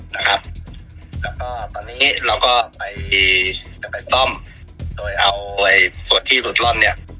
แล้วก็ตอนนี้เราก็ไปจะไปซ่อมโดยเอาไอ้ส่วนที่หลุดร่อนเนี่ย